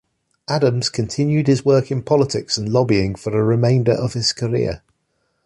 Adams continued his work in politics and lobbying for the remainder of his career.